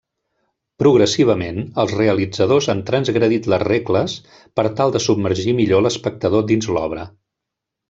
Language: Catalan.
Progressivament, els realitzadors han transgredit les regles per tal de submergir millor l'espectador dins l'obra.